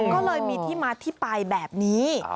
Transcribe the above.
ก็เลยมีที่มาที่ไปแบบนี้